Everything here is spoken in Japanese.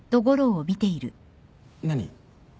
何？